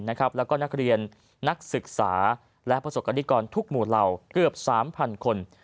แล้วก็นักเรียนนักศึกษาและประสบกรณิกรทุกหมู่เหล่าเกือบ๓๐๐คน